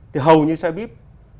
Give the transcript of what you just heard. thì hầu như xe bíp